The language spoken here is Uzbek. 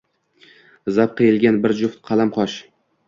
Zap qiyilgan bir juft qalam qosh